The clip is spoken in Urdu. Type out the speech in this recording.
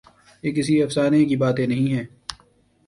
یہ کسی افسانے کی باتیں نہیں ہیں۔